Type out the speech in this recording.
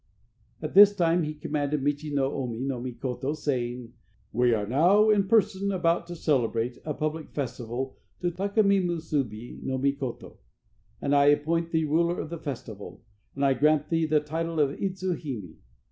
At this time he commanded Michi no Omi no Mikoto, saying: "We are now in person about to celebrate a public festival to Taka mi Musubi no Mikoto, and I appoint thee ruler of the festival, and I grant thee the title of Idzu hime.